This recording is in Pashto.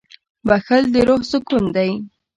• بښل د روح سکون دی.